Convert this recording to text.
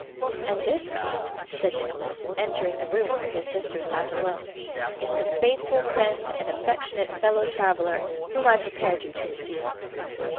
'And this, Kate,' said Nicholas, entering the room where his sister sat alone, 'is the faithful friend and affectionate fellow traveller whom I prepared you to receive.